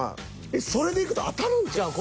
えっそれでいくと当たるんちゃうん！？